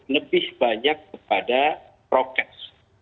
lebih banyak kepada prokes